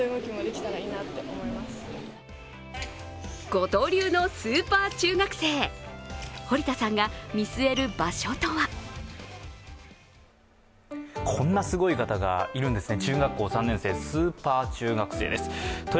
５刀流のスーパー中学生、堀田さんが見据える場所とはこんなすごい方がいるんですね。